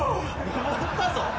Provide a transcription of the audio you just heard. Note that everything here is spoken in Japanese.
登ったぞ？